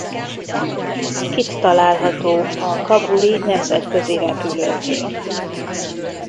Itt található a Kabuli nemzetközi repülőtér.